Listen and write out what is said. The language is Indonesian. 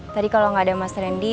tadi kalau nggak ada mas randy